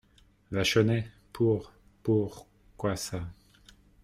Vachonnet Pour … pour … quoi ça ?